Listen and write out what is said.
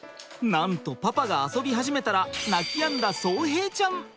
なんとパパが遊び始めたら泣きやんだ颯平ちゃん。